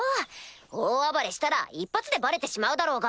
大暴れしたら一発でバレてしまうだろうが。